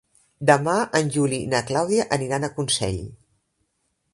Demà en Juli i na Clàudia aniran a Consell.